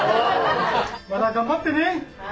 また頑張ってね。